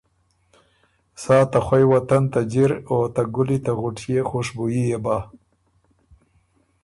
سا ته خوئ وطن ته جِر او ته ګلی ته غُټئے خوشبُويي يې بۀ۔